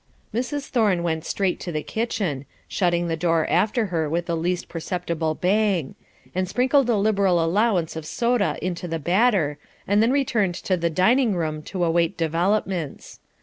Mrs. Thorne went straight to the kitchen shutting the door after her with the least perceptible bang and sprinkled a liberal allowance of soda into the batter, and then returned to the dining room to await developments.